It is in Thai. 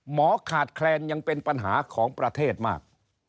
ขาดแคลนยังเป็นปัญหาของประเทศมาก